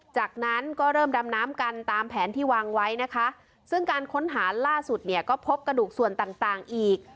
จากนั้นก็เริ่มดำน้ำกันตามแผนที่วางไว้นะคะซึ่งการค้นหาล่าสุดเนี่ยก็พบกระดูกส่วนต่างต่างอีก